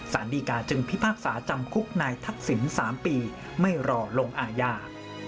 สารดีกาจึงพิพากษาจำคุกนายทักษิณ๓ปีไม่รอลงอาญา